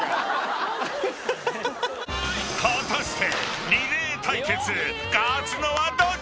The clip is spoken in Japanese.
［果たして］